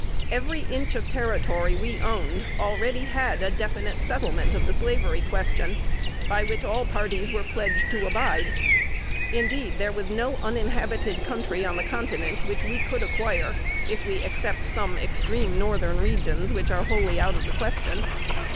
Every inch of territory we owned already had a definite settlement of the slavery question, and by which all parties were pledged to abide. Indeed, there was no uninhabited country on the continent which we could acquire, if we except some extreme Northern regions, which are wholly out of the question.